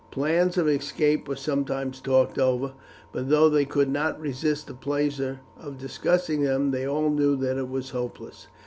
Plans of escape were sometimes talked over, but though they could not resist the pleasure of discussing them, they all knew that it was hopeless.